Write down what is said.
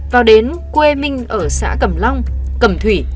vào đến quê minh ở xã cẩm long cầm thủy